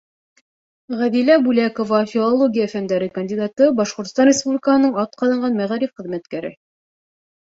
Ғәҙилә Бүләкова, филология фәндәре кандидаты, Башҡортостан Республикаһының атҡаҙанған мәғариф хеҙмәткәре